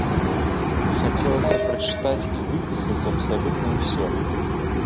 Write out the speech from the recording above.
Хацелася прачытаць і выпісаць абсалютна ўсё.